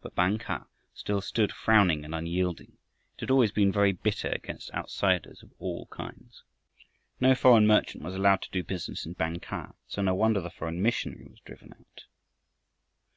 But Bang kah still stood frowning and unyielding. It had always been very bitter against outsiders of all kinds. No foreign merchant was allowed to do business in Bang kah, so no wonder the foreign missionary was driven out.